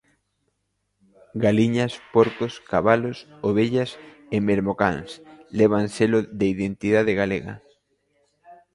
Galiñas, porcos, cabalos, ovellas e mesmo cans levan selo de identidade galega.